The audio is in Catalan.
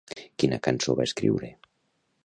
Quina cançó va escriure?